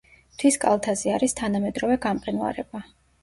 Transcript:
მთის კალთაზე არის თანამედროვე გამყინვარება.